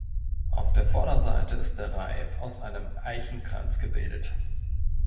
Auf der Vorderseite ist der Reif aus einem Eichenkranz gebildet.